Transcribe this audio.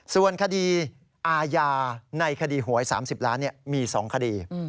ส่วนคดีอาญาในคดีหวย๓๐ล้านมี๒คดี